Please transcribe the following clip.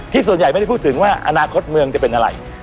ส่วนใหญ่ไม่ได้พูดถึงว่าอนาคตเมืองจะเป็นอะไร